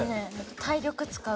体力使う。